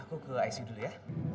aku ke icu dulu ya